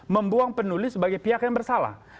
membuang penulis sebagai pihak yang bersalah